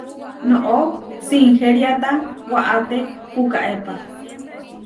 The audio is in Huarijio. Noʼó sinheriáta waʼáte pukaépa.